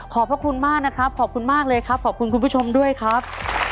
พระคุณมากนะครับขอบคุณมากเลยครับขอบคุณคุณผู้ชมด้วยครับ